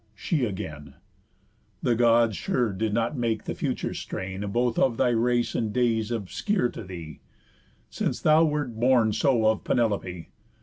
She, again: "The Gods sure did not make the future strain Both of thy race and days obscure to thee, Since thou wert born so of Penelope.